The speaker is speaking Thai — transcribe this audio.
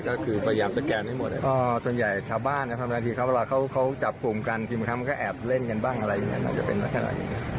ก็คือประหยัดสแกนให้หมดอ่ะอ่อส่วนใหญ่ชาวบ้านนะครับที่เขาเขาเขาจับกลุ่มกันทีมครั้งมันก็แอบเล่นกันบ้างอะไรอย่างเงี้ยมันจะเป็นมากเท่าไหร่